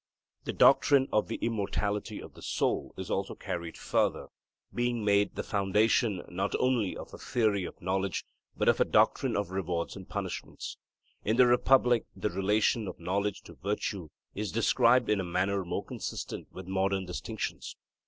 The doctrine of the immortality of the soul is also carried further, being made the foundation not only of a theory of knowledge, but of a doctrine of rewards and punishments. In the Republic the relation of knowledge to virtue is described in a manner more consistent with modern distinctions.